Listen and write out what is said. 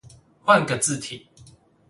換個字體